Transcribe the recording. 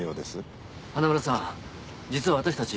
花村さん実は私たち